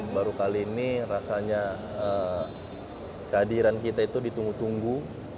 baru kali ini rasanya kehadiran kita itu ditunggu tunggu